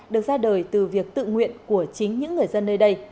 được ra đời từ việc tự nguyện của chính những người dân nơi đây